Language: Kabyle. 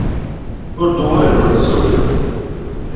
Ur d-uɣalen ur d-sawlen.